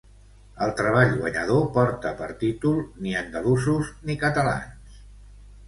El treball guanyador porta per títol Ni andalusos, ni catalans.